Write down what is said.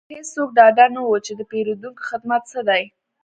هیڅوک ډاډه نه وو چې د پیرودونکو خدمت څه دی